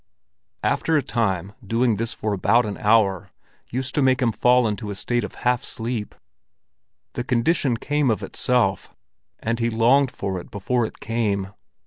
After a time doing this for about an hour used to make him fall into a state of half sleep. The condition came of itself, and he longed for it before it came.